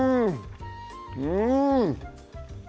うん！